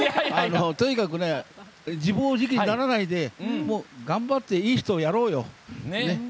とにかく、自暴自棄にならないで頑張っていい人をやろうよ。